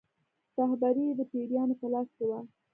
رهبري یې د پیرانو په لاس کې وه.